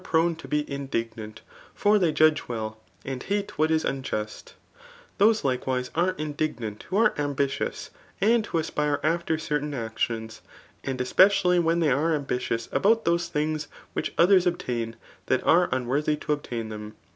prme to be indignant; Jbr fhey judge weil^ Md^'hatewkatis tmjust ' Those, like* ifvtse, ire indlgnaat who'aVearhbitious, and who aspire after certain actions y and especially when' they arre ambi tious dbout those things which others b'btain,' that atie unworthy to obtain them.